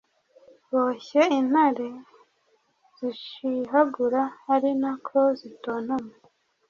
boshye intare zishihagura, ari na ko zitontoma